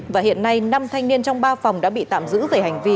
và hiện nay năm thanh niên trong ba phòng đã bị tạm giữ về hành vi